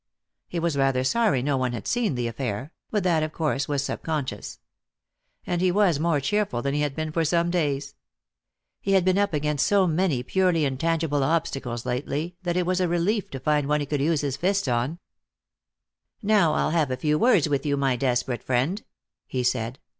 He was rather sorry no one had seen the affair, but that of course was sub conscious. And he was more cheerful than he had been for some days. He had been up against so many purely intangible obstacles lately that it was a relief to find one he could use his fists on. "Now I'll have a few words with you, my desperate friend," he said.